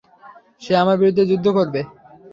সে আমার বিরুদ্ধে যুদ্ধ করবে।